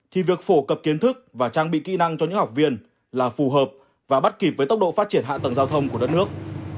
thì việc phổ cập kiến thức và trang bị kỹ năng cho những học viên là phù hợp và bắt kịp với tốc độ phát triển hạ tầng giao thông của đất nước